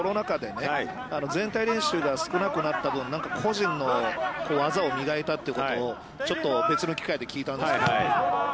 大畑さんが言われたように、コロナ禍で全体練習が少なくなった分、個人の技を磨いたということをちょっと別の機会で聞いたんですけど。